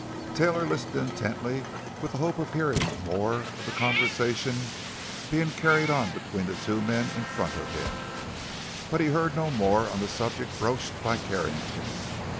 Taylor listened intently, with the hope of hearing more of the conversation being carried on between the two men in front of him. But he heard no more on the subject broached by Carrington.